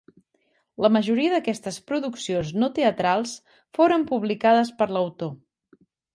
La majoria d'aquestes produccions no teatrals foren publicades per l'autor.